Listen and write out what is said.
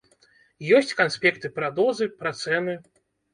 Ёсць канспекты пра дозы, пра цэны.